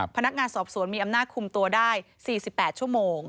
พนักงานสอบสวนมีอำนาจคุมตัวได้๔๘ชั่วโมง